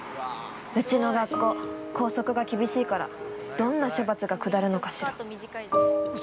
うちの学校、校則が厳しいからどんな処罰が下るのかしら。